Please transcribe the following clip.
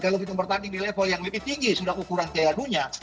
kalau kita bertanding di level yang lebih tinggi sudah ukuran piala dunia